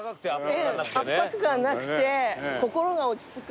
圧迫感なくて心が落ち着く。